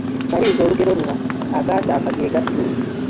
Maliriza olugero luno: Agaasaaka ge gattula, …….